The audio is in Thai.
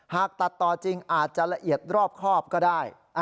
หากตัดต่อจริงอาจจะละเอียดรอบครอบก็ได้